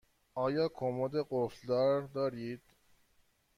آیا کمد قفل دار دارید؟